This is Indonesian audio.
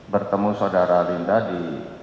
bertemu saudara linda di